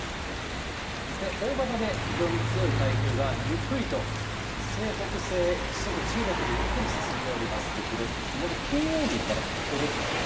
大型で非常に強い台風がゆっくりと西北西へ時速１５キロ、ゆっくだってこれ、まだ金曜日で、まだここですもんね。